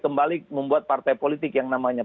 kembali membuat partai politik yang namanya